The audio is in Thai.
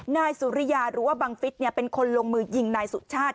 นายสุริยาหรือว่าบังฟิศเป็นคนลงมือยิงนายสุชาติ